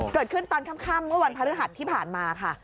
เกิดขึ้นตอนค่ำเมื่อวันภาระหัสที่ผ่านมาค่ะ